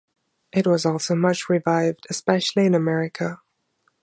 It was also much revived, especially in America.